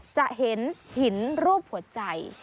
จะเห็นหินรูปหัวใจ